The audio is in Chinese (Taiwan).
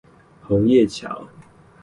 紅葉橋